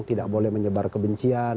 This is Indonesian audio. tidak boleh menyebar kebencian